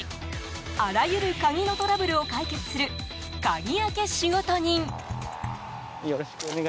あらゆる鍵のトラブルを解決する鍵開け仕事人。